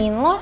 ya allah lah